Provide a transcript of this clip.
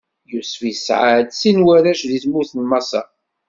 Yusef isɛa-d sin n warrac di tmurt n Maṣer.